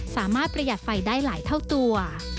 ประหยัดไฟได้หลายเท่าตัว